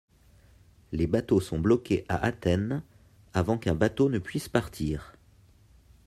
Les bateaux sont bloqués à Athènes avant qu'un bateau ne puisse partir.